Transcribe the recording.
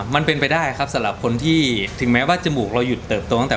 มันเป็นไปได้ครับสำหรับคนที่ถึงแม้ว่าจมูกเราหยุดเติบโตตั้งแต่